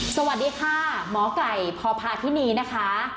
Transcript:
สวัสดีค่ะหมอไก่พพาธินีนะคะ